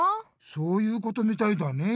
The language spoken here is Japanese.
そういうことみたいだねえ。